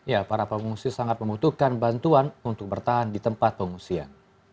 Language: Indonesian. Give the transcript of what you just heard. ya para pengungsi sangat membutuhkan bantuan untuk bertahan di tempat pengungsian